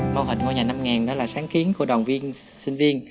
mô hình ngôi nhà năm đó là sáng kiến của đoàn viên sinh viên